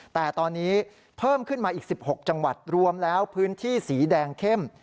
แต่ตอนนี้เพิ่มขึ้นมาอีก๑๖จังหวัดรวมแล้วพื้นที่สีแดงเข้ม